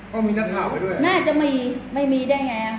ก็มีนักข่าวไปด้วยน่าจะมีไม่มีได้ไง